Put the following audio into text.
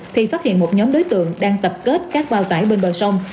thì phát hiện một nhóm đối tượng đang tập kết các bao tải bên bờ sông